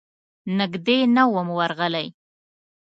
نږدې نه وم ورغلی.